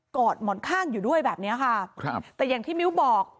อดหมอนข้างอยู่ด้วยแบบเนี้ยค่ะครับแต่อย่างที่มิ้วบอก